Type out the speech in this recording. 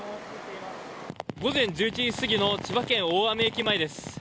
午前１１時過ぎの千葉県東金駅前です。